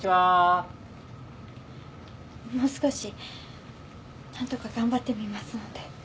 ・もう少し何とか頑張ってみますので。